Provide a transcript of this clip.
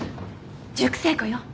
熟成庫よ。